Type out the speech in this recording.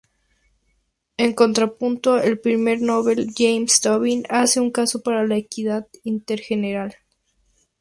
En contrapunto, el premio Nobel James Tobin hace un caso para la equidad intergeneracional.